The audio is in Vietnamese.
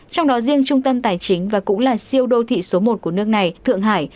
trong đó riêng trung tâm tài chính và cũng là siêu đô thị số một của nước này thượng hải